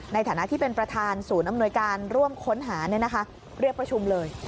ในฐานะที่เป็นประธานสูญอำนวยการร่วมค้นหาเนี่ยนะคะเรียกประชุมเลย